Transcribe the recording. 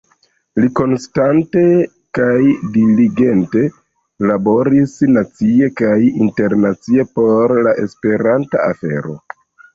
Li konstante kaj diligente laboris nacie kaj internacie por la esperanta afero.